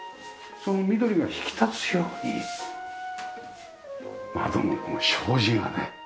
その緑が引き立つように窓のこの障子がね。